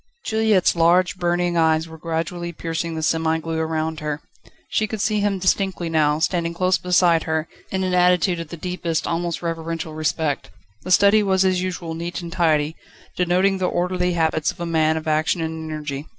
Juliette's large, burning eyes were gradually piercing the semi gloom around her. She could see him distinctly now, standing close beside her, in an attitude of the deepest, almost reverential respect. The study was as usual neat and tidy, denoting the orderly habits of a man of action and energy.